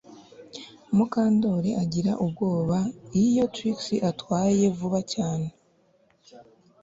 Mukandoli agira ubwoba iyo Trix atwaye vuba cyane